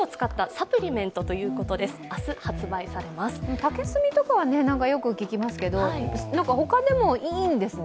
竹炭とかはよく聞きますけど他でもいいんですね。